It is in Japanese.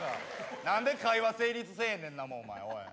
何で会話成立せえへんねんなお前おい。